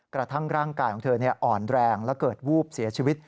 กระทั่งร่างกายของเธออ่อนแรงและเกิดวูบเสียชีวิต